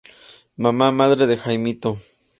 Mamá: Madre de Jaimito.